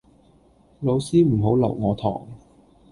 老師唔好留我堂